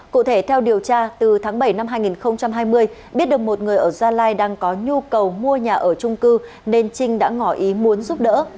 cụ thể theo điều tra từ tháng bảy năm hai nghìn hai mươi biết được một người ở gia lai đang có nhu cầu mua nhà ở trung cư nên trinh đã ngỏ ý muốn giúp đỡ